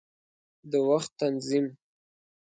د وخت تنظیم